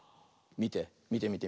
みてみてみて。